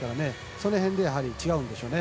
その辺でやはり違うんでしょうね。